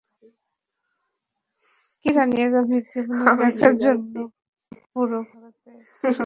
জীবনী লেখার জন্য পুরো ভারতে এক সন্ত্রাসীকে পেলেন?